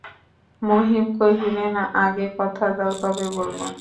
মহিম কহিলেন, আগে কথা দাও, তবে বলব।